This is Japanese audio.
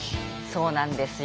そうなんです。